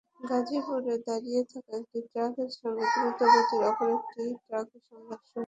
গাজীপুরে দাঁড়িয়ে থাকা একটি ট্রাকের সঙ্গে দ্রুতগতির অপর একটি ট্রাকের সংঘর্ষ হয়েছে।